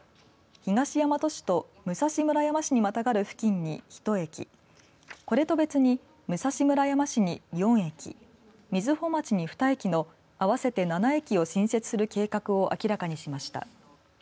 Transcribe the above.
東大和市と武蔵村山市にまたがる付近に１駅これと別に、武蔵村山市に４駅瑞穂町に２駅の合わせて７駅を新設する計画を明らかにしました。